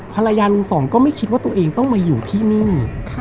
ลุงสองก็ไม่คิดว่าตัวเองต้องมาอยู่ที่นี่